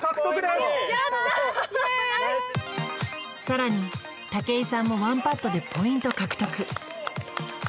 さらに武井さんもワンパットでポイント獲得